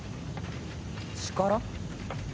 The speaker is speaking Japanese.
力？